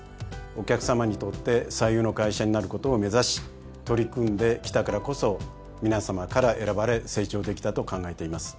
「お客さまにとって最優の会社」になることを目指し取り組んできたからこそ皆さまから選ばれ成長できたと考えています。